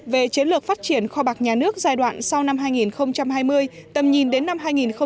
về chiến lược phát triển kho bạc nhà nước giai đoạn sau năm hai nghìn hai mươi tầm nhìn đến năm hai nghìn ba mươi